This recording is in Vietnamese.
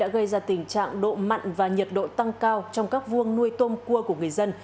gây ra tình trạng độ mặn và nhiệt độ tăng cao trong các vuông nuôi tôm cua của người dân